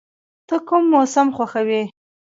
ته کوم موسم خوښوې؟